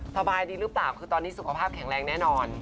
สบายดีหรือเปล่าคือตอนนี้สุขภาพแข็งแรงแน่นอน